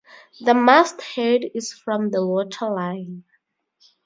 The masthead is from the waterline.